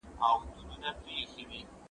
پر وجود باندي مو نه دي ازمېيلي